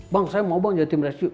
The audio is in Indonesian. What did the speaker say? bang saya mau bang jadi tim rescue